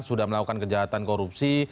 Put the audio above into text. sudah melakukan kejahatan korupsi